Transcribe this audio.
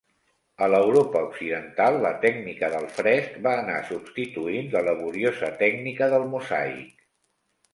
A l'Europa occidental, la tècnica del fresc va anar substituint la laboriosa tècnica del mosaic.